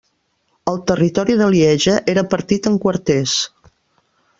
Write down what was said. El territori de Lieja era partit en quarters.